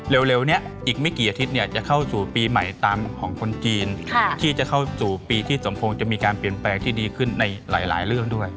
เร็วนี้อีกไม่กี่อาทิตย์เนี่ยจะเข้าสู่ปีใหม่ตามของคนจีนที่จะเข้าสู่ปีที่สมพงษ์จะมีการเปลี่ยนแปลงที่ดีขึ้นในหลายเรื่องด้วย